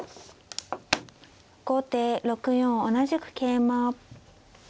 後手６四同じく桂馬。